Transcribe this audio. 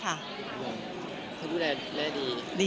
เธอดูแลแม่ดี